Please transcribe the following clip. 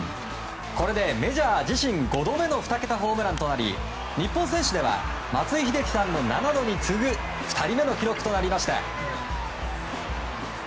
これでメジャー自身５度目の２桁ホームランとなり日本選手では松井秀喜さんの７度に次ぐ２人目の記録となりました。